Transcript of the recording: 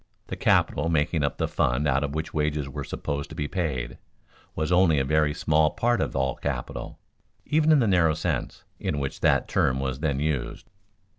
The capital making up the fund out of which wages were supposed to be paid, was only a very small part of all capital, even in the narrow sense in which that term was then used.